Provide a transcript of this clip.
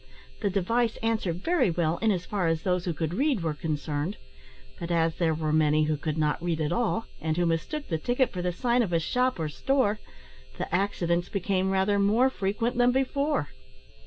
The device answered very well in as far as those who could read were concerned, but as there were many who could not read at all, and who mistook the ticket for the sign of a shop or store, the accidents became rather more frequent than before.